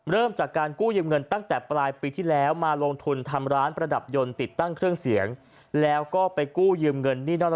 เริ่มจากการกู้ยืมเงินตั้งแต่ปลายปีที่แล้วมาลงทุนทำร้านประดับยนต์ติดตั้งเครื่องเสียง